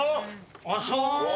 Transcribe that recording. あっそう。